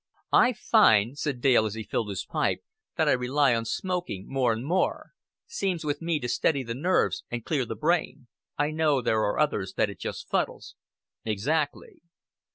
"I find," said Dale, as he filled his pipe, "that I rely on smoking more and more. Seems with me to steady the nerves and clear the brain. I know there are others that it just fuddles." "Exactly."